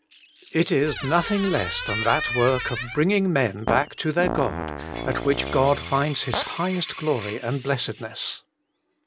It is nothing less than that work of bringing men back to their God, at which God finds His high est glory and blessedness.